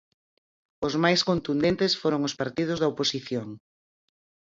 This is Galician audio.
Os máis contundentes foron os partidos da oposición.